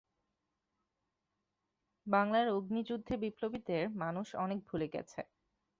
বাংলার অগ্নিযুগের বিপ্লবীদের মানুষ অনেক ভুলে গেছে।